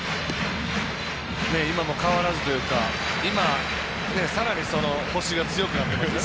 今も変わらずというか今、さらに強くなってますよね。